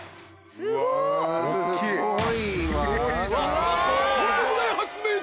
すごいな。